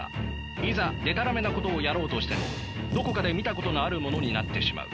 いざでたらめなことをやろうとしてもどこかで見たことのあるものになってしまう。